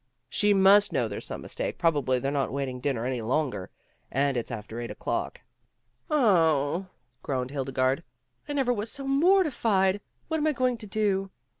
"She must know there's some mistake. Probably they 're not waiting dinner any longer, for it's after eight o'clock." "0," groaned Hildegarde, "I never was so mortified. What am I going to do